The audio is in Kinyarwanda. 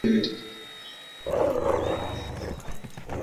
zivana umwuka wa azote mu kirere